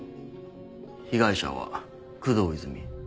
被害者は工藤泉。